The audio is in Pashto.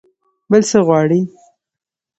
بل څه غواړئ؟